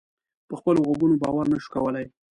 په خپلو غوږونو باور نه شو کولای.